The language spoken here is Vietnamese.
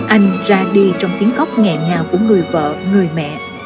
anh ra đi trong tiếng góc nghẹn nhào của người vợ người mẹ